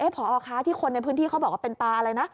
พอคะที่คนในพื้นที่เขาบอกว่าเป็นปลาอะไรนะ